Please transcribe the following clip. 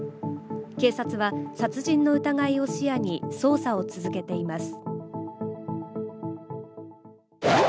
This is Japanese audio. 警察は、殺人の疑いを視野に捜査を続けています。